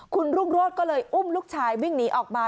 คุณรุ่งโรธก็เลยอุ้มลูกชายวิ่งหนีออกมา